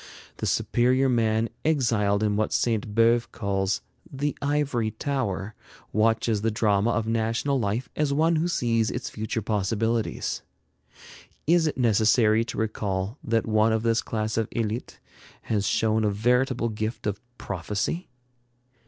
The superior man exiled in what Sainte Beuve calls "the ivory tower" watches the drama of national life as one who sees its future possibilities. Is it necessary to recall that one of this class of élite has shown a veritable gift of prophecy?